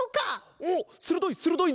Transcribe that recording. おっするどい！